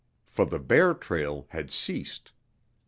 For the bear trail had ceased.